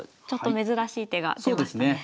ちょっと珍しい手が出ましたね。